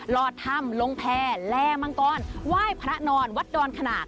รอดธรรมลงแพ้และมังกรไหว้พระนอนวัดดอนขนาก